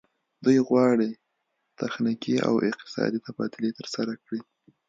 دوی غواړي تخنیکي او اقتصادي تبادلې ترسره کړي